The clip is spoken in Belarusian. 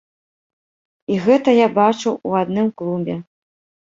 І гэта я бачыў у адным клубе.